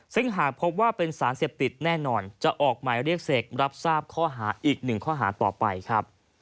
ซึ่งหากพบว่าเป็นสารเสพติดแน่นอนจะออกหมายเรียกเสกรับทราบข้อหาอีกหนึ่งข้อหาต่อไปครับ